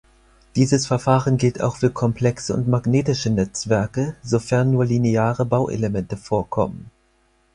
Dieses Verfahren gilt auch für komplexe und magnetische Netzwerke, sofern nur lineare Bauelemente vorkommen.